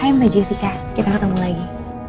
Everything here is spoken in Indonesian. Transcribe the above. hai mbak jessica kita ketemu lagi